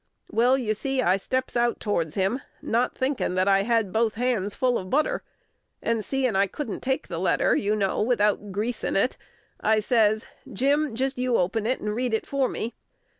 Well, you see I steps out towards him, not thinkin' that I had both hands full of butter; and seein' I couldn't take the letter, you know, without greasin' it, I ses, "Jim, jist you open it, and read it for me."